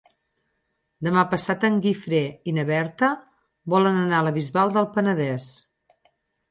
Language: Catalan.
Demà passat en Guifré i na Berta volen anar a la Bisbal del Penedès.